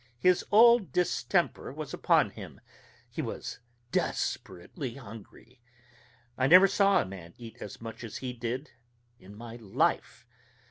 His old distemper was upon him: he was desperately hungry. I never saw a man eat as much as he did in my life.